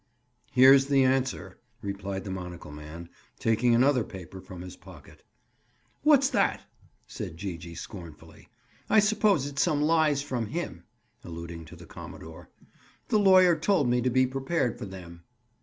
"Here's the answer," replied the monocle man, taking another paper from his pocket. "What's that?" said Gee gee scornfully. "I suppose it's some lies from him." Alluding to the commodore. "The lawyer told me to be prepared for them."